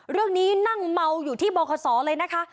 เรื่องนี้นั่งเมาอยู่ที่บขเลยนะคะ